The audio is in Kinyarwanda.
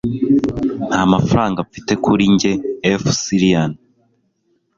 Nta mafaranga mfite kuri njye FSLian